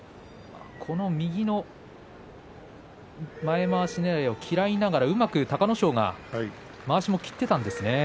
右の前まわしねらいを嫌いながらうまく隆の勝はまわしも切っていたんですね。